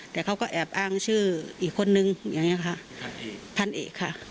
แต่เขาก็แอบอ้างชื่ออีกคนนึงอย่างนี้ค่ะพันเอกค่ะ